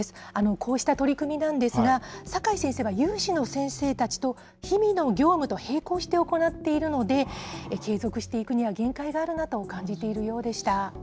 こうした取り組みなんですが、阪井先生は有志の先生たちと日々の業務と並行して行っているので、継続していくには限界があるなと感じているようでした。